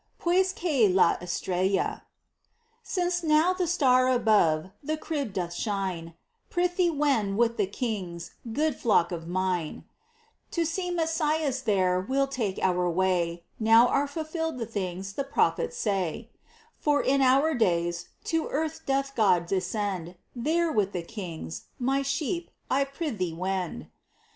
Pues que la estrella. Since now the star above The crib doth shine, Prithee wend with the Kings, Good flock of mine !■ To see Messias there We'll take our way. Now are fulfilled the things The prophets say : For in our days, to earth Doth God descend ; There, with the Kings, my sheep, I prithee wend.